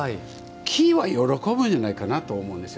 木は喜ぶんじゃないかなと思うんですよ。